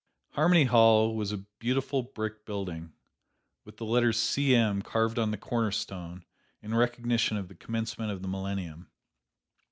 Harmony Hall was a beautiful brick building with the letters C. M. carved on the cornerstone in recognition of the Commencement of the Millennium.